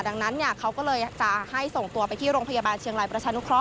ดังนั้นเขาก็เลยจะให้ส่งตัวไปที่โรงพยาบาลเชียงรายประชานุเคราะ